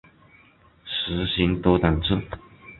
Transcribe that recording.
实行多党制。